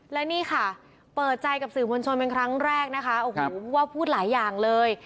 และนี่ค่ะเปิดใจกับสื่อมวลชนเป็นครั้งแรกนะคะโอ้โหว่าพูดหลายอย่างเลย